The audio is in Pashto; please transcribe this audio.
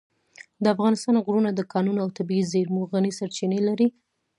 د افغانستان غرونه د کانونو او طبیعي زېرمو غني سرچینې لري.